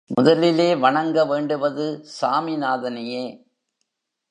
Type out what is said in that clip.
முதலிலே வணங்க வேண்டுவது சாமிநாதனையே.